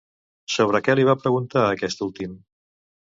Sobre què li va preguntar aquest últim?